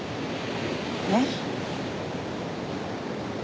えっ？